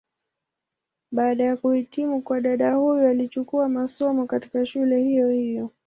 Baada ya kuhitimu kwa dada huyu alichukua masomo, katika shule hiyo hiyo.